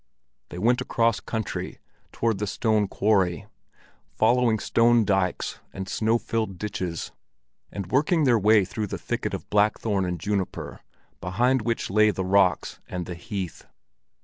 They went across country toward the stone quarry, following stone dikes and snow filled ditches, and working their way through the thicket of blackthorn and juniper, behind which lay the rocks and "the Heath."